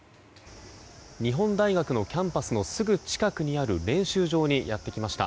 日本大学のキャンパスのすぐ近くにある練習場にやってきました。